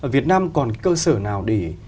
việt nam còn cơ sở nào để